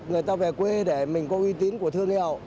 người ta về quê để mình có uy tín của thương nghèo